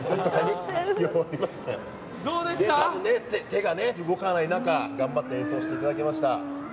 手が動かない中頑張って演奏していただけました。